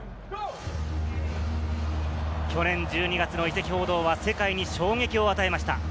去年１２月の移籍報道は世界に衝撃を与えました。